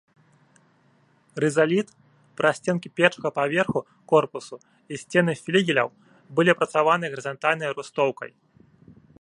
Рызаліт, прасценкі першага паверху корпусу і сцены флігеляў былі апрацаваны гарызантальнай рустоўкай.